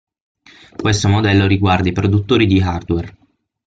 Questo modello riguarda i produttori di hardware.